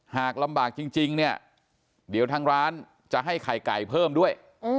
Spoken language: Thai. หากลำบากจริงเนี่ยเดี๋ยวทางร้านจะให้ไข่ไก่เพิ่มด้วย